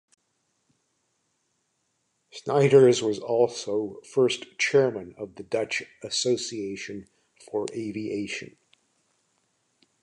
Snijders was also First Chairman of the Dutch Association for Aviation.